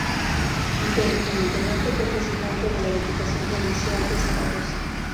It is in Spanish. Del en adelante fue Presidente de la Diputación Provincial de Zaragoza.